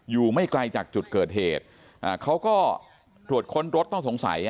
ไม่ไกลจากจุดเกิดเหตุเขาก็ตรวจค้นรถต้องสงสัย